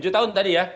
tujuh tahun tadi ya